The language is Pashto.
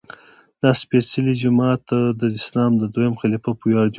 دا سپېڅلی جومات د اسلام د دویم خلیفه په ویاړ جوړ شوی.